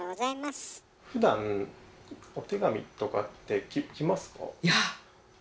ふだんお手紙とかって来ますか？